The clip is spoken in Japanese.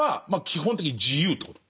基本的に自由ってこと？